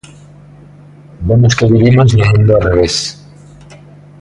Vemos que vivimos no mundo ao revés.